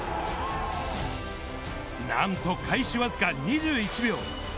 なんと開始わずか２１秒。